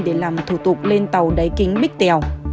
để làm thủ tục lên tàu đáy kính bích tèo